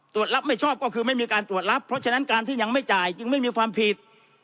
ตรวจรับไม่ชอบก็คือไม่มีการตรวจรับเพราะฉะนั้นการที่ยังไม่จ่ายจึงไม่มีความผิด